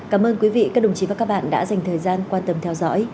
cảm ơn quý vị các đồng chí và các bạn đã dành thời gian quan tâm theo dõi